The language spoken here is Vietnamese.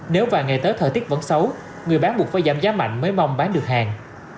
nếu vài ngày tới thời tiết vẫn xấu người bán buộc phải giảm giá mạnh mới mong bán được hàng